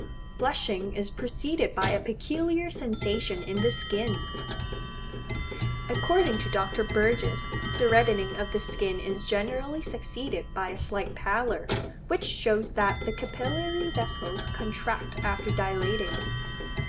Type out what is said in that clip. Blushing is preceded by a peculiar sensation in the skin. According to Dr. Burgess the reddening of the skin is generally succeeded by a slight pallor, which shows that the capillary vessels contract after dilating.